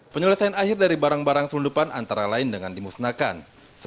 penyelesaian akhir dari barang barang selundupan antara lain dengan dimusnahkan